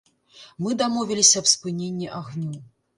Мы дамовіліся аб спыненні агню.